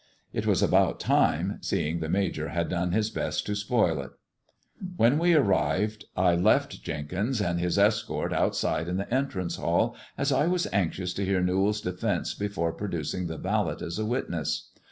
It was about time, seeing the Major had done his best to spoil it. When we arrived I left Jenkins and his escort outside in the entrance hall, as I was anxious to hear Newall's defence before producing the valet as a witness.